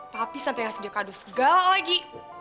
tapi sampe gak sedia kado segala lagi